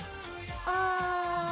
ああ。